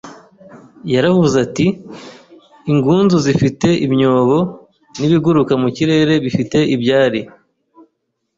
Yaravuze ati: “Ingunzu zifite imyobo, n’ibiguruka mu kirere bifite ibyari,